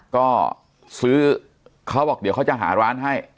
ก็ซื้อเขาบอกเดี๋ยวเขาจะหาร้านให้